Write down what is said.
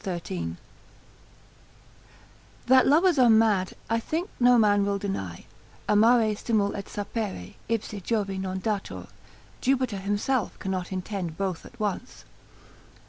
That lovers are mad, I think no man will deny, Amare simul et sapere, ipsi Jovi non datur, Jupiter himself cannot intend both at once.